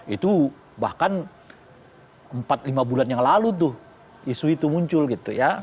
itu bahkan empat lima bulan yang lalu tuh isu itu muncul gitu ya